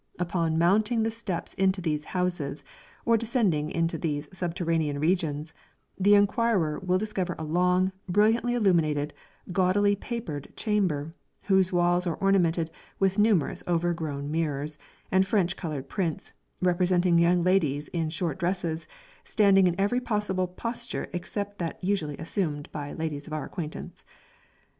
Upon mounting the steps into these houses, or descending into these subterranean regions, the inquirer will discover a long, brilliantly illuminated, gaudily papered chamber, whose walls are ornamented with numerous over grown mirrors, and French coloured prints, representing young ladies in short dresses, standing in every possible posture except that usually assumed by ladies of our acquaintance.